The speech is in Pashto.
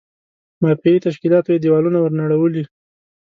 مافیایي تشکیلاتو یې دېوالونه ور نړولي.